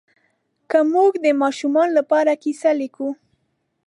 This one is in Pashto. که موږ د ماشومانو لپاره کیسه لیکو